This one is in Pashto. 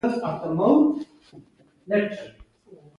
کرنیز انقلاب د چرګانو، غواوو، خوګ او مېږو لپاره ستر نعمت وو.